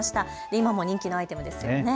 今も人気のアイテムですよね。